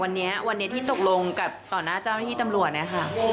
วันนี้วันนี้ที่ตกลงกับต่อหน้าเจ้าหน้าที่ตำรวจนะคะ